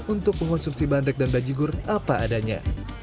untuk mengonsumsi bandrek dan bajigur apa adanya